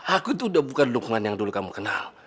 aku itu udah bukan lukman yang dulu kamu kenal